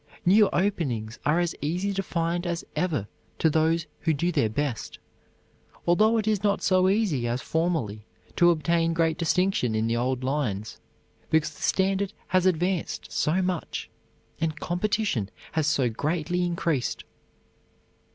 New openings are as easy to find as ever to those who do their best; although it is not so easy as formerly to obtain great distinction in the old lines, because the standard has advanced so much, and competition has so greatly increased.